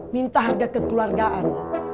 minta harga kekeluargaan